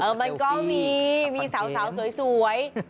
มันก็มีมีสาวสวย